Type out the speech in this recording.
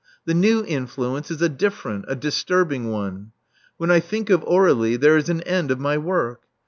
The new influence is a different — a disturbing one. When I think of Aur^lie, there is an end of my work.